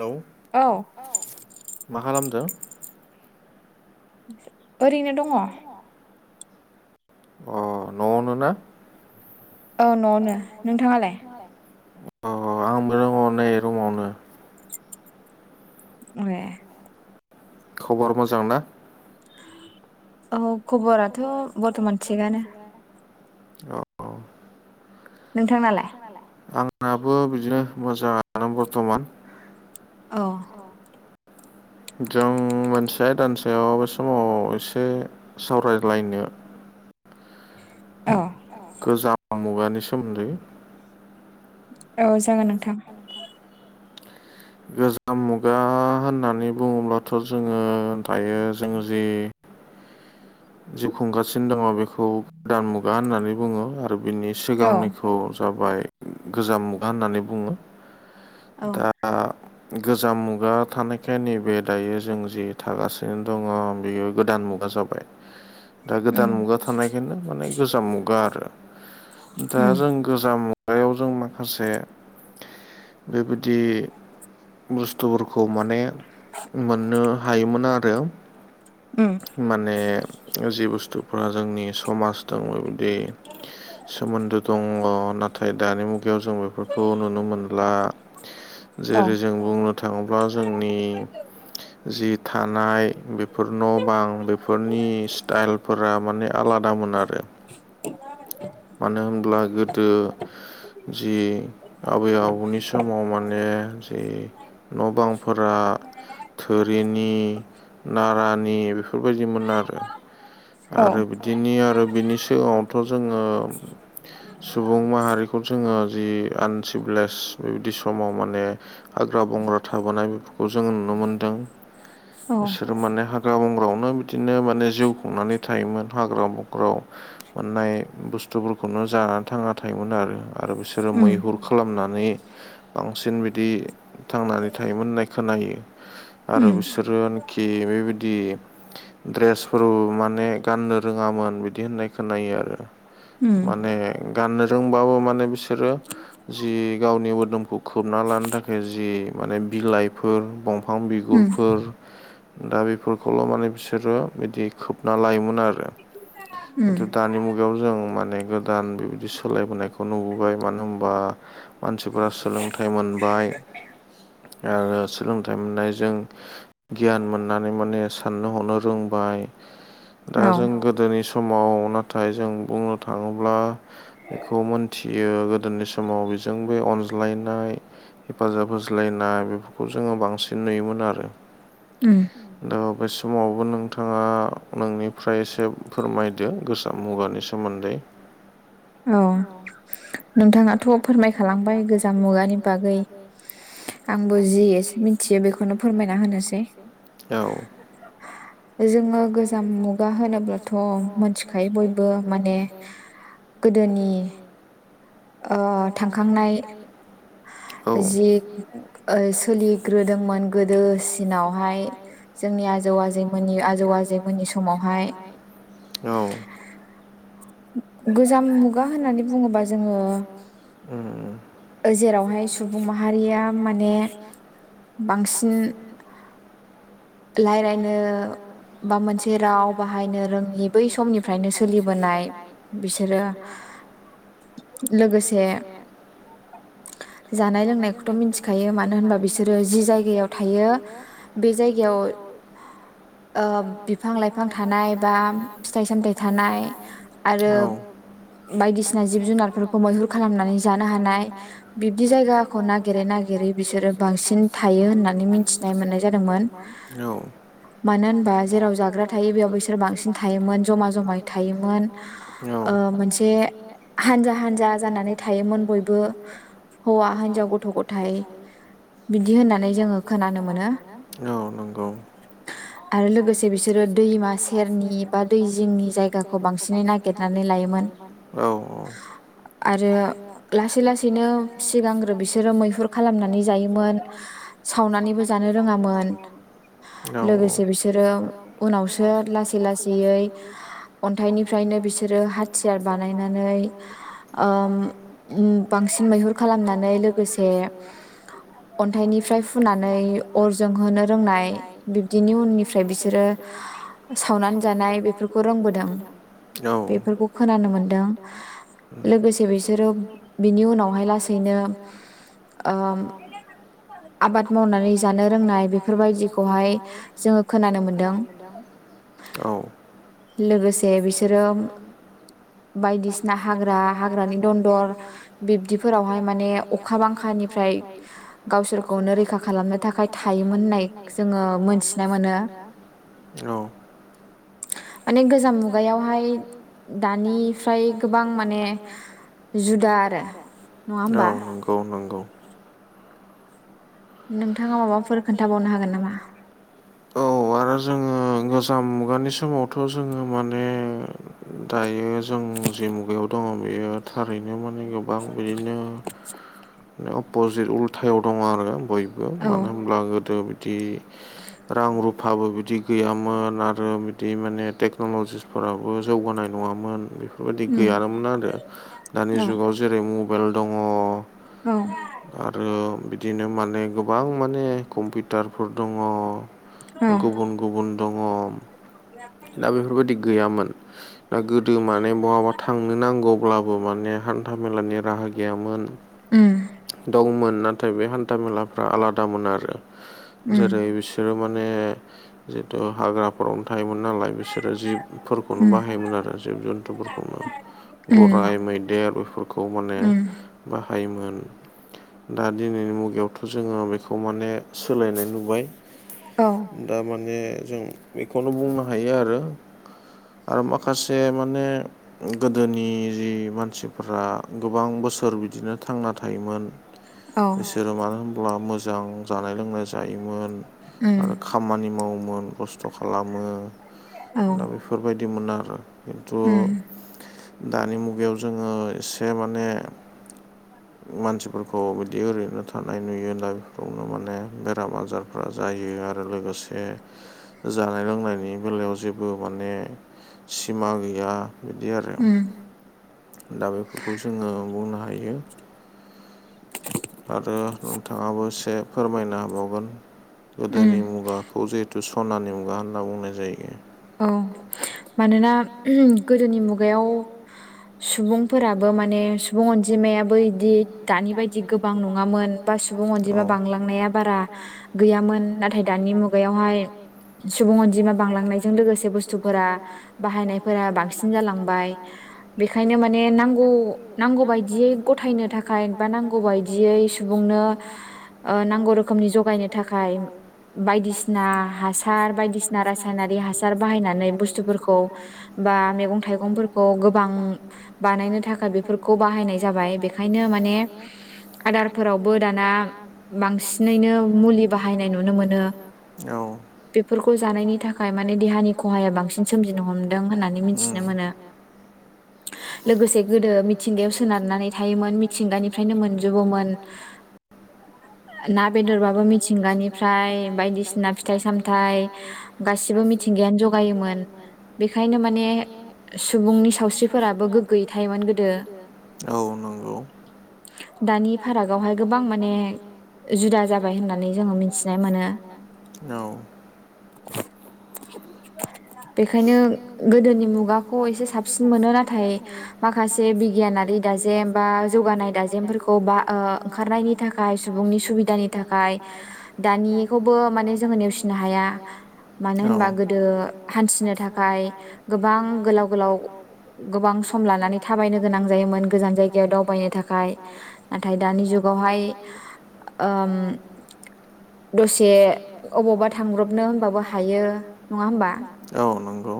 Hello. औ। मा खालामदों ओरैनो दङ। अ न'आवनो ना? औ नआवनो नोंथाङालाय? ए खबर मोजांना? औ खबराथ' बरथमान औ। नोंथांनालाय? आंनाबो बिदिनो मोजाङानो बर्थमान। औ जों मोनसे आयदानि सायाव बे समाव एसे सावराय्लायनो औ। गोजाम मुगानि सोमोन्दै औ जागोन नोंथां। गोजाम मुगा होननानै बुङोब्लाथ' जोङो दायो जों जि जिउ खुंगासिनो दङ बेखौ गोदान मुगा होननानै बुङो आरो बिनि सिगांनिखौ खौ जाबाय गोजाम मुगा होननानै बुङो दा गोजाम मुगा थानायखाय नैबे दायो जों जि थागासिनो दङ बेयो गोदान मुगा। मा जाबाय दा गोदान मुगा थानायखायनो माने गोजाम मुगा आरो। दा जों गोजाम मुगायाव जों माखासे बेबायदि बुस्थुफोरखौ माने मोननो हायोमोन आरो। माने जि बुस्थुफोरा जोंनि समाज दंमोन बेबायदि सोमोन्दो दङ नाथाय दानि मुगायाव जों बेफोरखौ नुनो मोनला। [inaudible] जेरै जों बुंनो थाङोब्ला जोंनि जि थानाय बेफोर न' बां बेफोरनि स्टाइलफोरा माने आलादामोन आरो। मानो होनब्ला गोदो जि आबै आबौनि समाव माने जि न' बांफोरा थोरिनि नारानि बेफोरबायदिमोन आरो। आरो बिदिनो आरो बिनि सिगाङावथ' जोङो सुबुं माहारिखौ जोङो जि आनसिभिलाइस बेबायदि समाव माने हाग्रा बंग्रा थाबोनाय बेफोरखौ जोंङो नुनो मोनदों बिसोर माने हाग्रा बंग्रायावनो बिदिनो माने जिउ खुंनानै थायोमोन हाग्रा बंग्रायाव। मोननाय बुस्थुफोरखौनो जानानै थांना थायोमोन आरो आरो बिसोरो मैहुर खालामनानै बांसिन बिदि थांनानै थायोमोन होननाय खोनायो। आरो बिसोरोनोखि बेबायदि द्रेसफोर माने गाननो रोङामोन बिदि होननाय खोनो आरो माने गाननो रोंबाबो माने बि बिसोरो जि गावनि मोदोमखौ खोबना लानो थाखाय जि माने बिलाइफोर दंफां बिगुरफोर दा बेफोरखौल' माने बिसोरो बिदि खोबना लायोमोन आरो खिन्थु दानि मुगायाव जों माने गोदान बेबायदि सोलायबोनायखौ खौ नुबोबाय मानो होनबा मानसिफोरा सोलोंथाइ मोनबाय आरो सोलोंथाइ मोननायजों गियान मोननानै माने साननो हनो रोंबाय दा जों गोदोनि समाव माव नाथाय जों बुंनो थाङोब्ला बेखौ मोनथियो गोदोनि समाव बेजों बे अनज्लायनाय हेफाजाब होज्लायनाय बेफोरखौ जोङो बांसिन नुयोमोन आरो उम दा बे समावबो नोंथाङा नोंनिफ्राय एसे फोरमायदों गोसा मुगानि सोमोन्दै औ नोंथाङाथ' फोरमायखालांबाय गोजाम मुगानि बागै आंबो जि एसे मिथियो बेखौनो फोरमायना होनोसै जोङो गोजाम मुगा होनोब्लाथ' मोनथिखायो बयबो माने गोदोनि थांखांनाय जि सोलिग्रोदों मोन गोदोसिनावहाय जोंनि आजौ आजैमोननि आजौ आजैमोननि समावहाय औ गोजाम मोनुगा होननानै बुङोबा जोङो जेरावहाय सुबुं माहारिया माने बांसिन राय्लायनो बा मोनसे राव बाहायनो रोङि बै समनिफ्रायनो सोलिबोनाय बिसोरो लोगोसे जानाय लोंनायखौथ' मिथिखायो मानो होनबा बिसोरो जि जायगायाव थायो बे जायगायाव औ ओ बिफां लाइफां थानाय बा फिथाइ सामथायाइ थानाय आरो बायदिसिना जिब जुनारफोरखौ मैहुर खालामनानै जानो हानाय बिब्दि जायगा खौ नागिरै नागिरै बिसोरो बांसिन थायो होननानै मिथिनाय मोननाय जादोंमोन औ मानो होनबा जेराव जाग्रा थायो बेयाव बिसोर बांसिन थायोमोन जमा जमाय थायोमोन औ मोनसे हानजा हान्जा जानानै थायोमोन बयबो हौवा हिन्जाव गथ' गथायाइ बिदि होननानै जोङो खोनानो मोनो औ नंगौ आरो लोगोसे बिसोरो दैमा सेरनि बा दै जिंनि जायगाखौ बांसिनै नागिरनानै औ औ आरो लासै लासैनो सिगांग्रो बिसोरो मैहुर खालामनानै जायोमोन सावनानैबो जानो रोङामोन लोगोसे बिसोरो उनावसो लासै लासैयै अन्थाइनिफ्रायनो बिसोरो हाथियार बानायनानै उम उम बांसिन मैहुर खालामनानै लोगोसे अन्थाइनिफ्राय फुनानै अरजों होनो रोंना दोननाय बिदिनि उननिफ्राय बिसोरो सावनानै जानाय बेफोरखौ रोंबोदों बेफोरखौ खोनानो मोनदों लोगोसे बिसोरो बिनि उनावहाय लासैनो अ आबाद मावनानै जानो रोंनाय बेफोरबा फोरबायदिखौहाय जोङो खोनानो मोनदों औ लोगोसे बिसोरो बायदिसिना हाग्रा हाग्रानि दन्दर बिब्दिफोरावहाय माने अखा बांखानिफ्राय गावसोरखौनो रैखा खालामनो थाखाय थायो औ। माने गोजाम मुगायावहाय दानिफ्राय गोबां माने जुदा आरो। नङा होमबा? औ नोंगौ। नोंथाङा माबाफोर खोन्थाबावनो हागोन नामा? औ आरो जोङो गोजाम मुगानि समावथ' जोङो माने दायो जों जि मुगायाव दङ बेयो थारैनो माने गोबां बिदिनो ओ अ'प'जित उल्थायाव दङ आरो बयबो मानो होमब्ला गोदो दि रां रुफाबो बिदि गैयामोन आरो बिदि माने टेक्न'लजि फोराबो जौगानाय नङामोन बे बायदि गैयानोमोन आरो दानि जुगाव जेरै मबाइल दङ औ। आरो बिदिनो माने गोबां माने कम्पिउटारफोर दङ। गुबुन गुबुन दङ। दा बेफोरबायदि गैयामोन। ओ गोदो माने बहाबा थांनो नांगौब्लाबो माने हान था मेलानि राहा गैयामोन दंमोन ना थाय बे हान्था मेलाफ्रा आलादामोन आरो जेरै बिस सोरो माने जिहेथु हाग्राफोरावनो थायोमोन नालाय बिसोरो जिब फोरखौनो बाहायोमोन आरो जिब जन्थुफोरखौनो गराइ मैदेर बेफोर खौ माने बाहायोमोन। दा दिनैनि मुगायावथ' जोङो बेखौ माने सोलायनाय नुबाय। औ। दा माने जों बेखौनो बुंनो हायो आरो आरो माखासे माने गोदोनि जि मानसिफोरा गोबां बोसोर बिदिनो थांना थायोमोन। [unintelligible] बिसोरो मानो होनब्ला मोजां जानाय लोंनाय जायोमोन आ खामानि मावोमोन खस्थ' खालामो दा बेफोरबायदिमोन आरो खिन्थु उम। दानि मुगायाव जोङो एसे माने [inaudible] ओ मानसिफोरखौ बिदि ओरैनो थानाय नुयो होनब्ला बेफोरावनो माने बेराम आजार ओ जायो आरो लोगोसे जानाय लोंनायनि बेलायाव जेबो माने सिमा गैया बिदि आरो। दा बेफोरखौ जोङो बुंनो हायो। आरो नोंथाङाबो एसे फोरमायनो हाबावगोन। गोदोनि मुगाखौ जिहेथु सनानि मुगा होनना बुंनाय जायो। औ मानोना उम गोदोनि मुगायाव सुबुंफोराबो माने सुबुं अनजिमायाबो इदि दानि बायदि गोबां नङामोन बा सुबुं अनजिमा बांलांनाया बारा गैयामोन नाथाय दानि मु गायावहाय सुबुं अनजिमा बांलांनायजों लोगो गोसे बुस्थुफोरा बाहायनायफोरा बांसिन जालांबाय बेखायनो माने नांगौ नांगौ बायदियै गथायनो थाखाय बा नांगौ बायदियै सुबुंनो ओनांगौ रोखोमनि जगायनो थाखाय बायदिसिना हासार बायदिसिना रासायनारि हा सार बाहायनानै बुस्थुफोरखौ बा मैगं थाइगंफोरखौ गोबां बानायनो थाखाय बेफोरखौ बाहायनाय जाबाय बेखायनो माने आदारफोरावबो दाना बांसिनैनो मुलि बाहायनाय नुनो मोनो बेफोरखौ जानायनि थाखाय माने देहानि आनि खहाया बांसिन सोमजिनो हमदों होननानै मिथिनो मोनो लोगोसे गोदो मिथिंगायाव सोनारनानै थायोमोन मिथिंगायाव [unintelligible] मोनजोबोमोन ना बेदरबाबो मिथिंगानिफ्राय बायदिसिना फिथाइ सामथाइ गासिबो गेलेनायखौगायोमोन बेखायनो माने सुबुंनि सावस्रिफोराबो गोखैयै थाइगं गोदो औ नंगौ दानि फारागावहाय गोबां माने जुदा जाबाय होननानै जोङो मिथिनाय मोनो औ बेखायनो गोदोनि मुगाखौ एसे साबसिन मोनो नाथाय माखासे बिगियानारि दाजेम बा जौगानाय दाजेमफोरखौ बा ओंखारनायनि थाखाय सुबुंनि सुबिदानि थाखाय दानिखौबो माने जोङो नेवसिनो हाया मानो होनबा गोदो हान्थिनो थाखाय गोबां गोलाव गोलाव गोबां सम लानानै थाबायनो गोनां जायोमोन गोजान जायगायाव दावबायनो थाखाय नाथाय दानि जुगावहाय दसे अबावबा थांब्रबनो होनबाबो हायो नङा होमबा औ नंगौ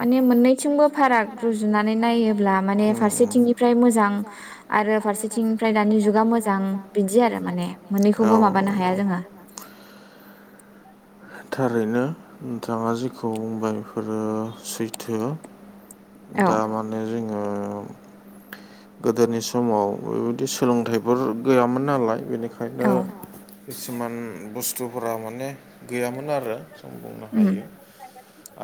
माने मोननैथिंबो फाराग रुजुनानै नायोब्ला माने फारसेथिंनिफ्राय मोजां आरो फारसेथिं फ्राय दानि जुगा मोजां बिदि आरो माने मोननैखौबो माबानो हाया जोङो थारैनो नोंथाङा जेखौ बुंबाय बेफोरो सैथो दा मान माने जोङो गोदोनि समाव बेबायदि सोलोंथाइफोर गैयामोन नालाय बेनिखायनो ओंखायनो किसुमान बुस्थुफोरा माने गैयामोन आरो बुंनो हायो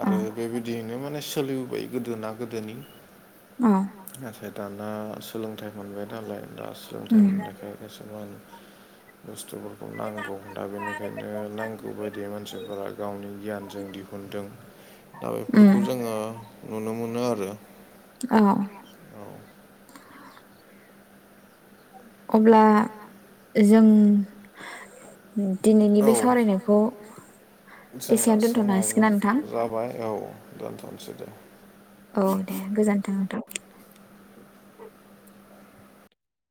आरो बेबायदियैनो माने सोलिबोबाय गोदोना गोदोनि [inaudible] नाथाय दाना सोलोंथाइ मोनबाय नालाय दा सोलोंथाइ मोननायखाय एसेबां बुस्थुफोरखौ नांगौ दा बेनिखायनो नांगौ बायदि मानसिफोरा [unintelligible] जों दिहुनदों दा बेफोरखौ जोङो नुनो मोनो आरो औ अब्ला जों दिनैनि बे सावरायनायखौ एसेयनो दोनथ'नो हासिगोनना नोंथां जाबाय औ दोनथ'नोसै दे औ दे गोजोन्थों नोंथां।